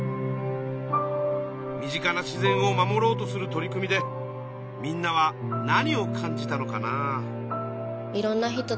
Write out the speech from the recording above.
身近な自然を守ろうとする取り組みでみんなは何を感じたのかな？